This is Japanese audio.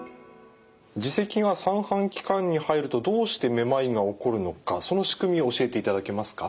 耳石が三半規管に入るとどうしてめまいが起こるのかその仕組みを教えていただけますか。